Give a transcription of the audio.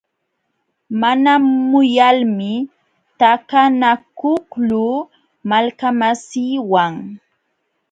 Mana muyalmi takanakuqluu malkamasiiwan.